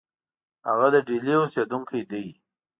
هغه د ډهلي اوسېدونکی دی.